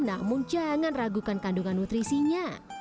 namun jangan ragukan kandungan nutrisinya